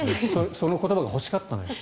その言葉が欲しかったのよ。